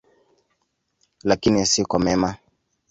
Lakini si kwa mema.